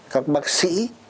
các bác sĩ